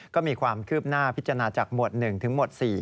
ก็มีความคืบหน้าพิจารณาจากหมวด๑ถึงหมวด๔